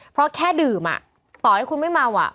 เพราะแค่ดื่มต่อให้คุณไม่เมาอ่ะ